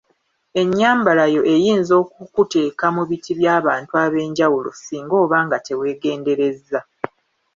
Ennyambala yo eyinza okukuteeka mu biti by'abantu ab‘enjawulo singa oba nga teweegenderezza.